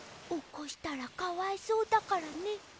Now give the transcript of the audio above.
おこしたらかわいそうだからね。